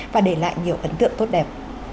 và để lại nhiều ấn tượng tốt đẹp